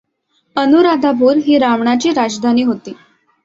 अनुराधापूर ही रावणाची राजधानी होती.